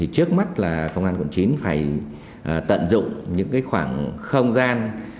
trước mắt là công an quận chín phải tận dụng những khoảng không gian